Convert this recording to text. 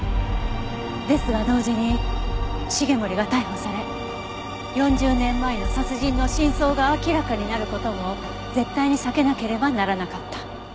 ですが同時に繁森が逮捕され４０年前の殺人の真相が明らかになる事も絶対に避けなければならなかった。